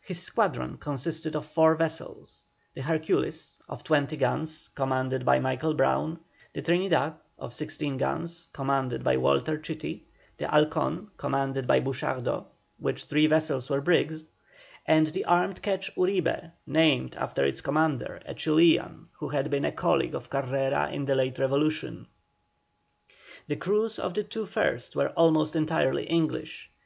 His squadron consisted of four vessels the Hercules of 20 guns, commanded by Michael Brown; the Trinidad of 16 guns, commanded by Walter Chitty; the Halcon, commanded by Buchardo, which three vessels were brigs; and the armed quetch Uribe, named after its commander, a Chilian, who had been a colleague of Carrera in the late revolution. The crews of the two first were almost entirely English.